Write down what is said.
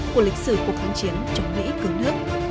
của lịch sử cuộc kháng chiến chống mỹ cứu nước